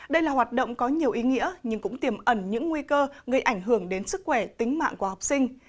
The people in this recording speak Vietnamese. đây là hoạt động có nhiều ý nghĩa nhưng cũng tiềm ẩn những nguy cơ gây ảnh hưởng đến sức khỏe tính mạng của học sinh